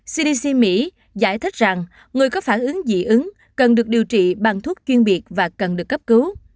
cdc mỹ giải thích rằng người có phản ứng dị ứng cần được điều trị bằng thuốc chuyên biệt và cần được cấp cứu